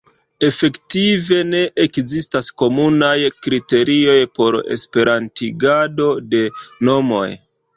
Efektive ne ekzistas komunaj kriterioj por esperantigado de nomoj.